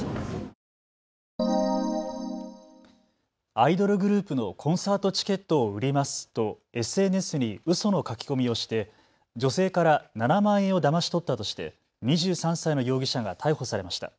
アイドルグループのコンサートチケットを売りますとＳＮＳにうその書き込みをして女性から７万円をだまし取ったとして２３歳の容疑者が逮捕されました。